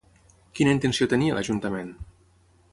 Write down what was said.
Quina intenció tenia l'ajuntament?